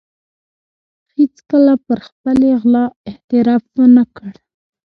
هېڅکله پر خپلې غلا اعتراف و نه کړ.